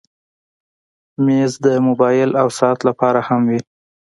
مېز د موبایل او ساعت لپاره هم وي.